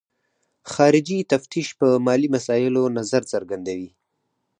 خارجي تفتیش په مالي مسایلو نظر څرګندوي.